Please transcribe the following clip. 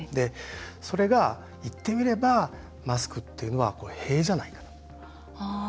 それが言ってみればマスクというのは塀じゃないか。